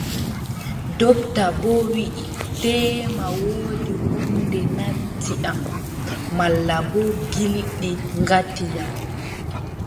Dopta boo wii teema woodi huunde ŋati yam, malla boo gilɗi gati yam.